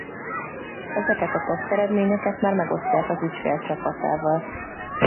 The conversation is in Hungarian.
Ezeket a teszteredményeket már megosztják az ügyfél csapatával.